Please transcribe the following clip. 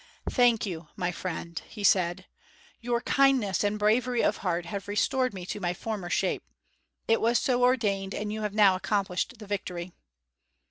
"Thank you, my friend," he said. "Your kindness and bravery of heart have restored me to my former shape. It was so ordained, and you have now accomplished the victory."